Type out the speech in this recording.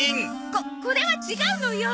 ここれは違うのよ。